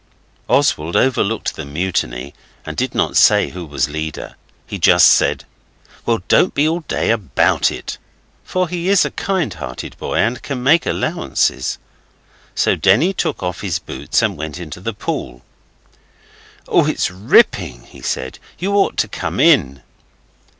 Oswald overlooked the mutiny and did not say who was leader. He just said 'Well don't be all day about it,' for he is a kind hearted boy and can make allowances. So Denny took off his boots and went into the pool. 'Oh, it's ripping!' he said. 'You ought to come in.